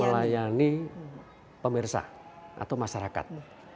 melayani pemirsa atau masyarakat